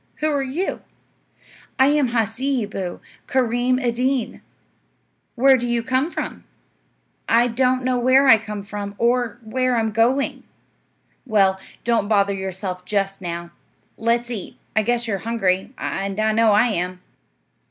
Who are you?" "I am Hasseeboo Kareem Ed Deen." "Where do you come from?" "I don't know where I come from, or where I'm going." "Well, don't bother yourself just now. Let's eat; I guess you are hungry, and I know I am."